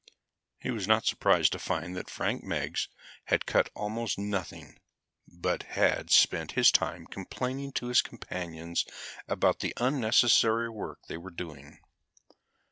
He was not surprised to find that Frank Meggs had cut almost nothing but had spent his time complaining to his companions about the unnecessary work they were doing.